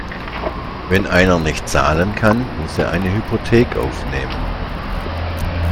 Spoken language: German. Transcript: Wenn einer nicht zahlen kann, muss er eine Hypothek aufnehmen.